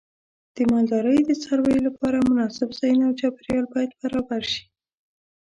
د مالدارۍ د څارویو لپاره مناسب ځایونه او چاپیریال باید برابر شي.